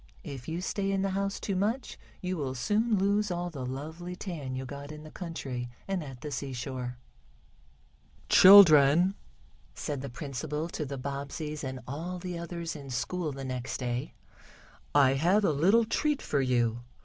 If you stay in the house too much you will soon lose all the lovely tan you got in the country, and at the seashore." "Children," said the principal to the Bobbseys and all the others in school the next day, "I have a little treat for you.